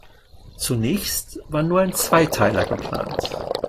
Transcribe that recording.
Zunächst war nur ein Zweiteiler geplant.